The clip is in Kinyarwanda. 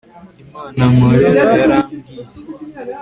imana nkorera yarambwiye